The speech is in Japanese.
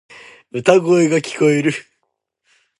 歌声が聞こえる。